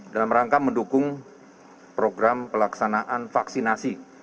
dalam rangka mendukung program pelaksanaan vaksinasi